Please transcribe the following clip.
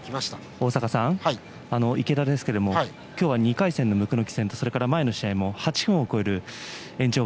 大坂さん、池田は今日２回戦の椋木戦と前の試合も８分が超える延長戦